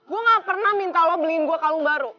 gue gak pernah minta lo beliin gue kalung baru